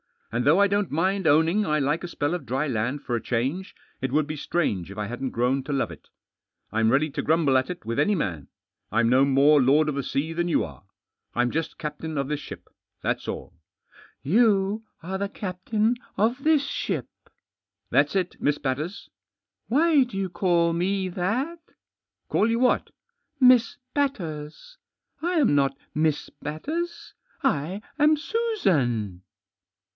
And though I don't mind owning I like a spell of dry land for a change, it would be strange if I hadn't grown to love It I'm ready to grumble at It with any man. I'm no more lord of the sea than you are. I'm just captain of this ship. That's all." " You are the captain of this ship." " That's It, Miss Batters/' 11 Why do you call me that ? w "Call you what?" "Miss Batters. I am not Miss Batters. I am Susan."